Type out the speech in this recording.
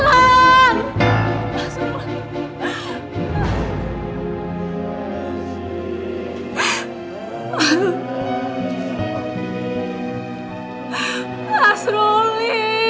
ma'an masih mas ruli